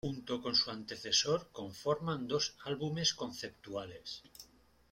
Junto con su antecesor conforman dos álbumes conceptuales.